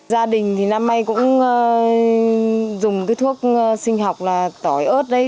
gia đình thì năm nay cũng dùng cái thuốc sinh học là tỏi ớt đấy